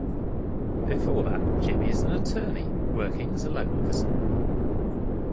Before that, Jimmy is an attorney working as a loan officer.